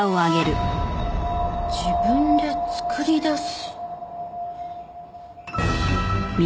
自分で作り出す。